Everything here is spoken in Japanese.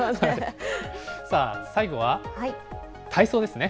さあ、最後は体操ですね。